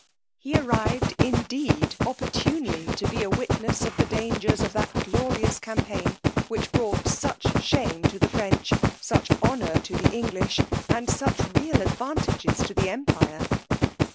He arrived indeed opportunely to be a witness of the dangers of that glorious campaign which brought such shame to the French, such honour to the English, and such real advantages to the empire.